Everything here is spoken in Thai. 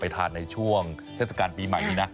ทานในช่วงเทศกาลปีใหม่นี้นะ